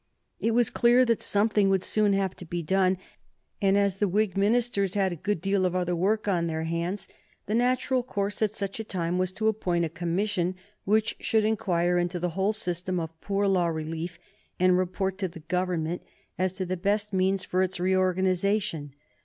It was clear that something would soon have to be done, and, as the Whig ministers had a good deal of other work on their hands, the natural course, at such a time, was to appoint a commission which should inquire into the whole system of poor law relief, and report to the Government as to the best means for its reorganization.